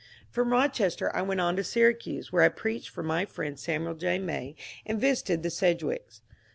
From Rochester I went on to Syracuse, where I preached for my friend Samuel J. May, and visited the Sedgwicks.